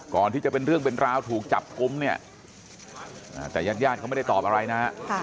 ก่อนที่จะเป็นเรื่องเป็นราวถูกจับกุมเนี่ยแต่ญาติญาติเขาไม่ได้ตอบอะไรนะฮะ